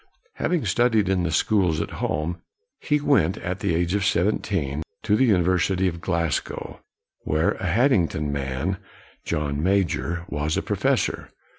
Having studied in the schools at home, he went, at the age of seventeen, to the University of Glasgow, where a Hadding ton man, John Major, was a professor.